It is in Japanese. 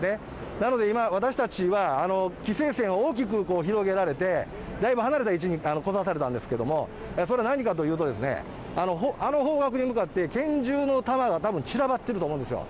なので今、私たちは規制線を大きく広げられて、だいぶ離れた位置に来させられたんですけれども、それ、何かというと、あの方角に向かって拳銃の弾がたぶん、散らばってると思うんですよ。